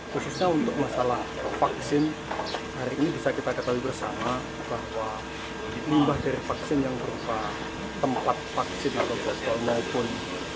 khususnya untuk masalah vaksin hari ini bisa kita ketahui bersama bahwa limbah dari vaksin yang berupa tempat vaksin atau botol maupun